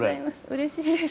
うれしいです。